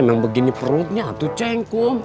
memang begini perutnya tuh ceng kum